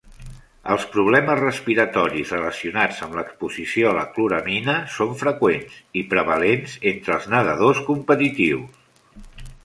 Els problemes respiratoris relacionats amb l'exposició a la cloramina són freqüents i prevalents entre els nedadors competitius.